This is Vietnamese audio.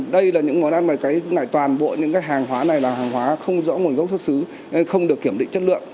đây là những món ăn mà cấy lại toàn bộ những hàng hóa này là hàng hóa không rõ nguồn gốc xuất xứ nên không được kiểm định chất lượng